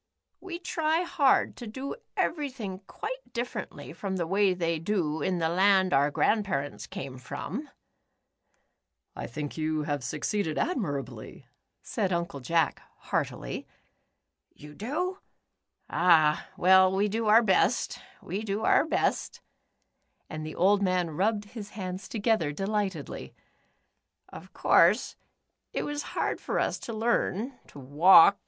We try hard to do everything quite dif ferently from the way they do in the land our grandparents came from." " I think you have succeeded admirably," said Uncle Jack, heartily. *'You do? Ah, well we do our best, we do our best," and the old man rubbed his hands to gether, delightedly. *'0f course, it was hard for us to learn to walk 156 The Upsidedownians.